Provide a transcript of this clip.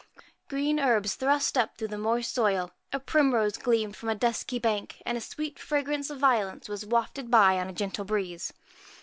Green herbs thrust up through the moist soil, a primrose gleamed from a dusky bank, and a sweet fragrance of violets was wafted by on a gentle breeze.